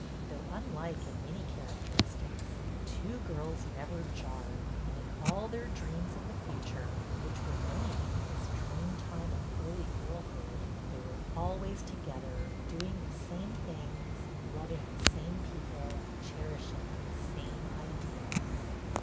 Though unlike in many characteristics, the two girls never jarred, and, in all their dreams of the future — which were many, in this dream time of early girlhood — they were always together, doing the same things, loving the same peo ple, cherishing the same ideals.